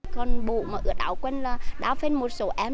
con bụng mà ở đảo quân là đảo phên một số em